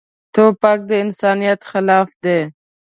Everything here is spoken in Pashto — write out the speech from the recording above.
توپک د انسانیت خلاف دی.